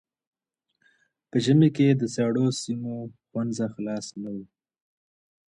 په ژمي کي د سړو سیمو ښوونځي خلاص نه وو.